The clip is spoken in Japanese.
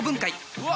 うわ！